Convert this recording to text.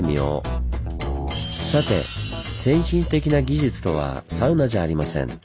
さて先進的な技術とはサウナじゃありません。